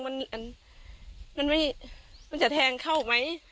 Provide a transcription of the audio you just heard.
มันมันจะแทงเข้าไหม